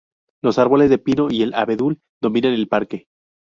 Los árboles de pino y el abedul dominan el parque.